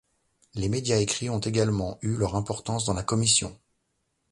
Les médias écrits ont également eu leur importance dans la Commission.